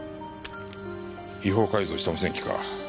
違法改造した無線機か。